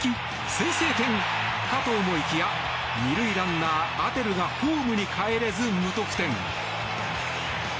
先制点かと思いきや２塁ランナー、アデルがホームにかえれず無得点。